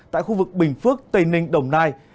tại khu vực bình phước tây ninh đồng nai